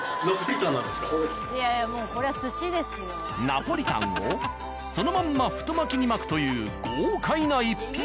ナポリタンをそのまんま太巻きに巻くという豪快な一品。